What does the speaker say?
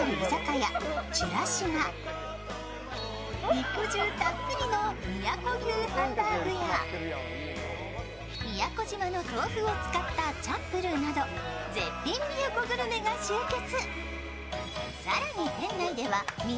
肉汁たっぷりの宮古牛ハンバーグや宮古島の豆腐を使ったチャンプルーなど、絶品宮古グルメが集結。